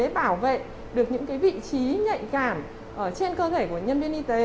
bảo vệ được những vị trí nhạy cảm trên cơ thể của nhân viên y tế